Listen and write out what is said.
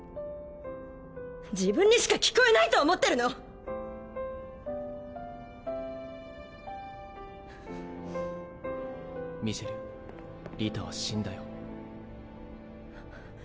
自分にしか聞こえないと思ってるの⁉ミシェルリタは死んだよ。